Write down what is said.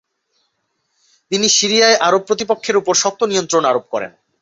তিনি সিরিয়ায় আরব প্রতিপক্ষের উপর শক্ত নিয়ন্ত্রণ আরোপ করেন।